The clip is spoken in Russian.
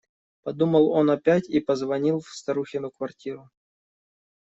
Подумал он опять и позвонил в старухину квартиру.